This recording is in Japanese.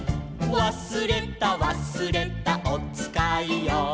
「わすれたわすれたおつかいを」